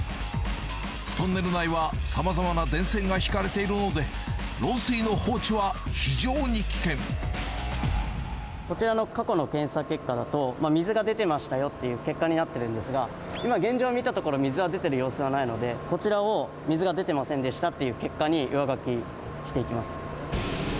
トンネル内はさまざまな電線が引かれているので、こちらの過去の検査結果だと、水が出てましたよっていう結果になってるんですが、今、現状見たところ、水は出てる様子はないので、こちらを水が出てませんでしたっていう結果に上書きしていきます。